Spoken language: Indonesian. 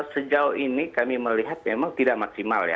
sejauh ini kami melihat memang tidak maksimal ya